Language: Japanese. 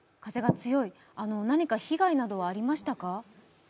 何か被害などはありましたか？